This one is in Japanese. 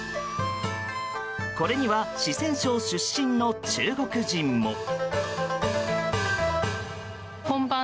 これには四川省出身の中国人も。